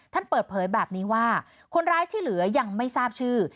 ท่านเปิดเผยแบบนี้ว่าคนร้ายที่เหลือยังไม่ทราบชื่อ